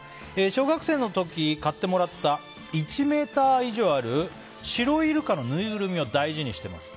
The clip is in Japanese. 小学生の時に買ってもらった１ｍ以上あるシロイルカのぬいぐるみを大事にしています。